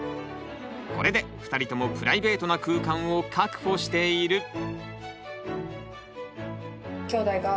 これで２人とも「プライベートな空間」を確保している。